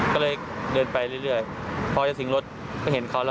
ก็เลยเดินไปเรื่อยพอจะทิ้งรถก็เห็นเขาแล้ว